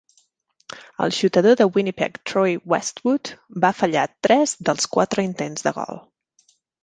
El xutador de Winnipeg Troy Westwood va fallar tres dels quatre intents de gol.